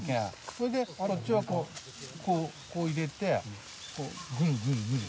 そいでこっちはこうこう入れてこうぐるぐるぐる。